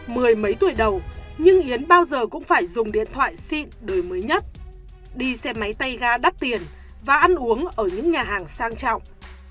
mười mấy tuổi đầu nhưng yến bao giờ cũng phải dùng điện thoại xịn đời mới nhất đi xe máy tay ga đắt tiền và ăn uống ở những nhà hàng sang trọng